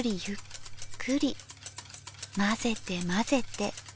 混ぜて混ぜて。